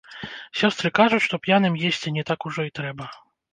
Сёстры кажуць, што п'яным есці не так ужо і трэба.